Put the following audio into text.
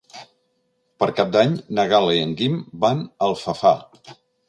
Per Cap d'Any na Gal·la i en Guim van a Alfafar.